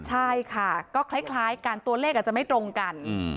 ใช่ค่ะก็คล้ายกันตัวเลขอาจจะไม่ตรงกัน